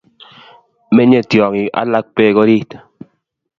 menyei tyong'ik alak beek orit